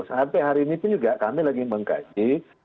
sampai hari ini pun juga kami lagi mengkaji